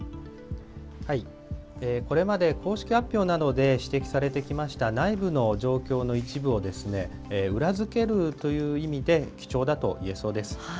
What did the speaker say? これまで公式発表などで指摘されてきました内部の状況の一部を裏付けるという意味で、貴重だといえそうです。